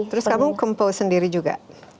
terus kamu compo sendiri juga